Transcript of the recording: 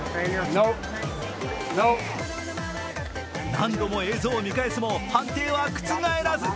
何度も映像を見返すも、判定は覆らず。